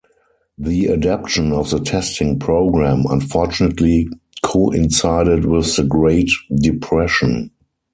The adoption of the testing program unfortunately coincided with the Great Depression.